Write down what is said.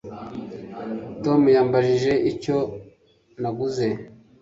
Tom yambajije icyo naguze